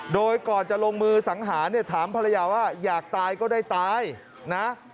โดยก่อนจะลงมือสังหารเนี่ยถามภรรยาว่าอยากตายก็ได้ตายนะ